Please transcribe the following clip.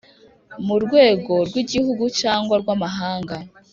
murwego rwigihugu cyangwa rwamahanga